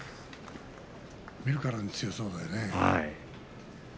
見るからに強そうだね。